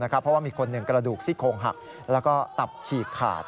เพราะว่ามีคนหนึ่งกระดูกซี่โครงหักแล้วก็ตับฉีกขาด